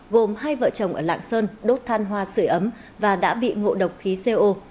gồm hai vợ chồng ở lạng sơn đốt than hoa sửa ấm và đã bị ngộ độc khí co